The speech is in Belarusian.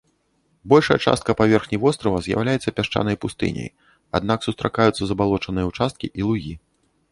Большая частка паверхні вострава з'яўляецца пясчанай пустыняй, аднак сустракаюцца забалочаныя ўчасткі і лугі.